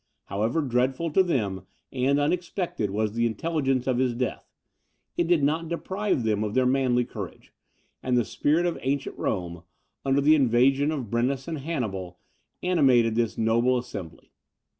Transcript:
However dreadful to them, and unexpected, was the intelligence of his death, it did not deprive them of their manly courage; and the spirit of ancient Rome, under the invasion of Brennus and Hannibal, animated this noble assembly.